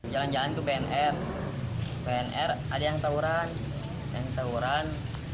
jalan jalan ke bnr bnr ada yang tawuran yang tawuran